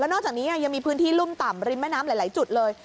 นอกจากนี้ยังมีพื้นที่รุ่มต่ำริมแม่น้ำหลายจุดเลย